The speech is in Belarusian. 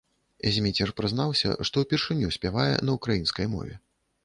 Зміцер прызнаўся, што ўпершыню спявае на ўкраінскай мове.